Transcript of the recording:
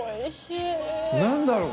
何だろう